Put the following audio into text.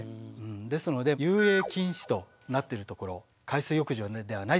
ですので遊泳禁止となってるところ海水浴場ではないところ。